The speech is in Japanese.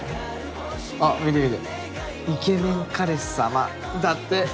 あっ見て見て「イケメン彼氏様」だって。